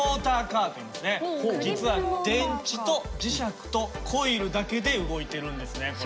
実は電池と磁石とコイルだけで動いているんですねこれ。